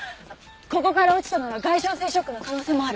ここから落ちたなら外傷性ショックの可能性もある。